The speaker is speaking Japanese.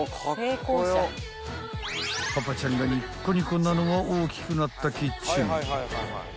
［パパちゃんがニッコニコなのは大きくなったキッチン］